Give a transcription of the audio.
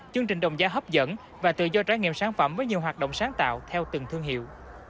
chương trình đồng giá hấp dẫn và tự do trải nghiệm sản phẩm với nhiều hoạt động sáng tạo theo từng thương hiệu